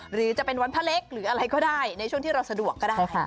หรือจะเป็นวันพระเล็กหรืออะไรก็ได้ในช่วงที่เราสะดวกก็ได้ค่ะ